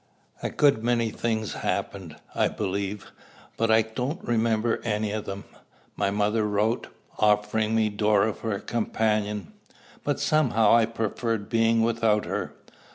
A good many things happened, I believe; but I don't remember any of them. My mother wrote, offering me Dora for a companion; but somehow I preferred being without her.